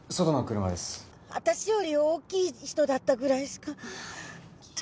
私より大きい人だったぐらいしか。